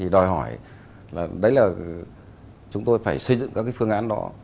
đó là chúng tôi phải xây dựng các phương án đó